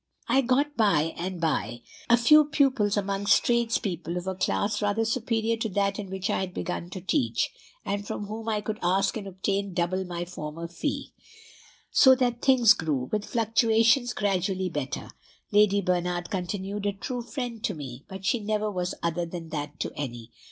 "I got by and by a few pupils amongst tradespeople of a class rather superior to that in which I had begun to teach, and from whom I could ask and obtain double my former fee; so that things grew, with fluctuations, gradually better. Lady Bernard continued a true friend to me but she never was other than that to any.